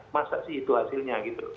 masa sih itu hasilnya gitu